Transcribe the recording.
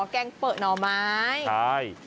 แกงเป๋าเนอะไหมใช่